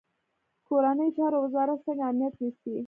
کورنیو چارو وزارت څنګه امنیت نیسي؟